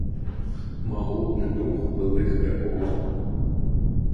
Магутны дух былых вякоў.